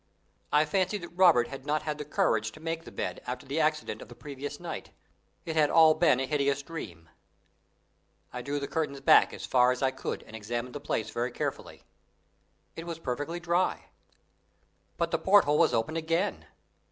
I fancied that Robert had not had the courage to make the bed after the accident of the previous night it had all been a hideous dream. I drew the curtains back as far as I could and examined the place very carefully. It was perfectly dry. But the porthole was open again.